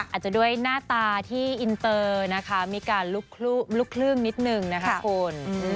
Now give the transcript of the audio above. อาจจะด้วยหน้าตาที่อินเตอร์นะคะมีการลุกคลื่นนิดนึงนะคะคุณ